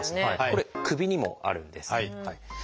これ首にもあるんです。